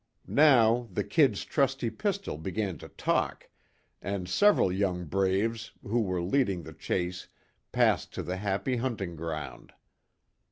Now the "Kid's" trusty pistol began to talk, and several young braves, who were leading the chase passed to the "happy hunting ground."